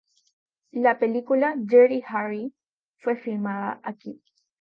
La película Dirty Harry fue filmada aquí.